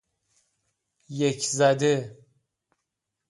یکزده